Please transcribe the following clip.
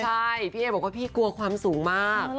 ใช่พี่เอบอกว่าพี่กลัวความสูงมาก